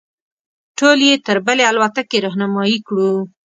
ټول یې تر بلې الوتکې رهنمایي کړو.